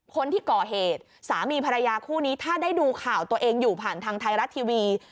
คนที่ก่อเหตุสามีภรรยาคู่นี้ถ้าได้ดูข่าวตัวเองอยู่ผ่านทางไทยรัฐทีวี